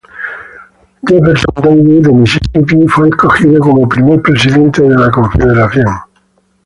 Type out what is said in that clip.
Jefferson Davis, de Misisipi, fue escogido como primer Presidente de la Confederación.